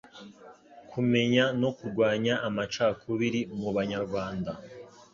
Kumenya no kurwanya amacakubiri mu Banyarwanda